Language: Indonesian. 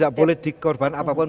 tidak boleh dikorban apapun